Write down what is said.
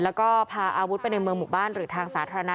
แล้วก็พาอาวุธไปในเมืองหมู่บ้านหรือทางสาธารณะ